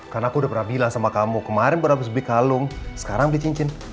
kan aku udah pernah bilang sama kamu kemarin pernah bersubik kalung sekarang di cincin